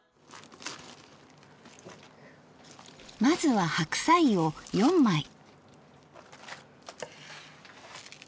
まずは白菜を４枚。